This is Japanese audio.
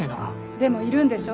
でもいるんでしょ。